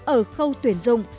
ở khâu tuyển dụng